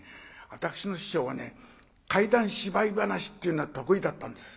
私の師匠は怪談芝居噺っていうのが得意だったんです。